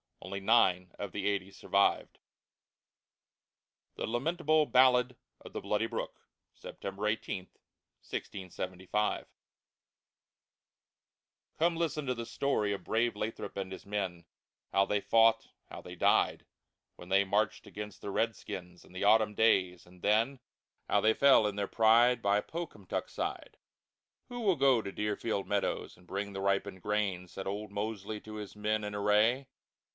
Only nine of the eighty survived. THE LAMENTABLE BALLAD OF THE BLOODY BROOK [September 18, 1675] Come listen to the Story of brave Lathrop and his Men, How they fought, how they died, When they marched against the Red Skins in the Autumn Days, and then How they fell, in their pride, By Pocumtuck Side. "Who will go to Deerfield Meadows and bring the ripened Grain?" Said old Mosely to his men in Array.